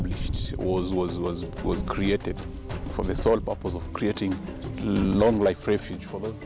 เพื่อให้สูตรสูงชีวิตของพวกมัน